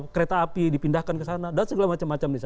kereta api dipindahkan ke sana dan segala macam macam di sana